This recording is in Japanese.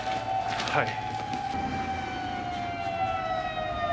はい。